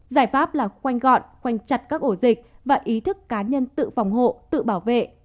giải pháp là khoanh gọn quanh chặt các ổ dịch và ý thức cá nhân tự phòng hộ tự bảo vệ